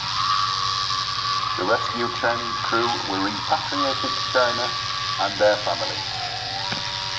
The rescued Chinese crew were repatriated to China and their families.